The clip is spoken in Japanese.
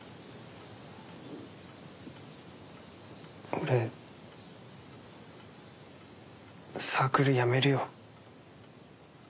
俺サークルやめるよ。